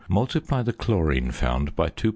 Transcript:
Multiply the chlorine found by 2.103.